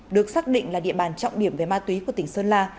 được xác định là địa bàn trọng điểm về ma túy của tỉnh sơn la